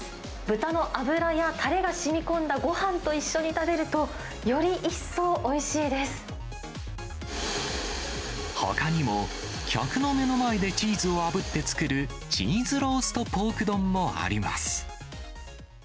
豚の脂やたれがしみこんだごはんと一緒に食べると、より一層おいほかにも、客の目の前でチーズをあぶって作る、チーズローストポーク丼もあります。